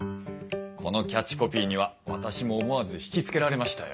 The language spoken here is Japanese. このキャッチコピーには私も思わずひきつけられましたよ。